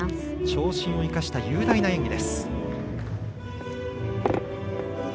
長身を生かした雄大な演技。